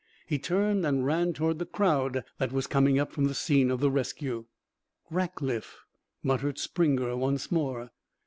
He turned and ran toward the crowd that was coming up from the scene of the rescue. "Rackliff!" muttered Springer once more.